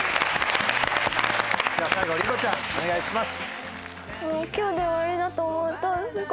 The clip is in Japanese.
じゃあ最後りこちゃんお願いします。